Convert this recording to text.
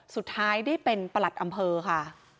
สุดท้ายได้เป็นประหลัดอำเภอค่ะ